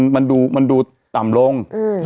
มันดูต่ำลง